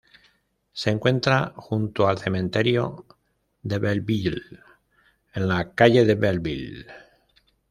Se encuentra junto al cementerio de Belleville en la calle de Belleville.